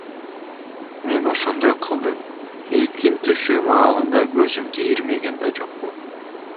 Мен ошондой кылдым, эркин түшүү маалында көзүмдү ирмеген да жокмун.